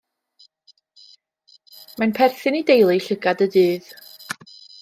Mae'n perthyn i deulu llygad y dydd.